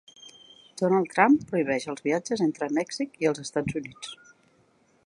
Donald Trump prohibeix els viatges entre Mèxic i els Estats Units.